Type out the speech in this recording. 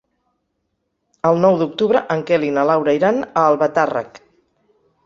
El nou d'octubre en Quel i na Laura iran a Albatàrrec.